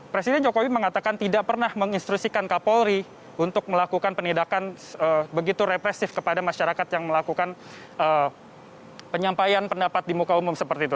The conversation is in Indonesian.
presiden jokowi mengatakan tidak pernah menginstrusikan kapolri untuk melakukan penindakan begitu represif kepada masyarakat yang melakukan penyampaian pendapat di muka umum seperti itu